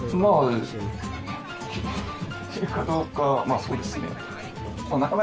まぁそうですね